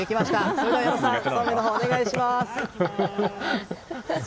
それでは、そうめんのほうお願いします。